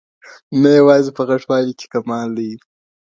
نه یوازي په غټ والي کي کمال دی